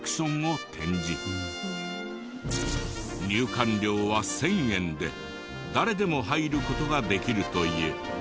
入館料は１０００円で誰でも入る事ができるという。